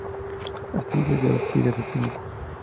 Hasta el día de hoy sigue detenida.